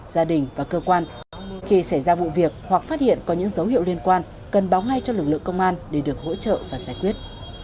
gia đình và cơ quan khi xảy ra vụ việc hoặc phát hiện có những dấu hiệu liên quan cần báo ngay cho lực lượng công an để được hỗ trợ và giải quyết